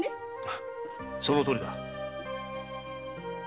そのとおりだ。